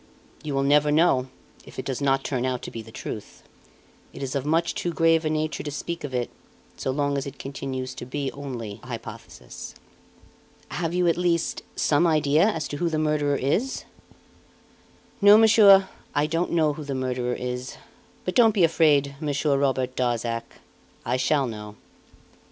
"You will never know if it does not turn out to be the truth. It is of much too grave a nature to speak of it, so long as it continues to be only a hypothesis." "Have you, at least, some idea as to who the murderer is?" "No, monsieur, I don't know who the murderer is; but don't be afraid, Monsieur Robert Darzac I shall know."